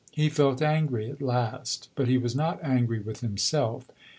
He felt angry at last; but he was not angry with himself.